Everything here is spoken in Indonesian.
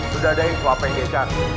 sudah ada yang suapenggejar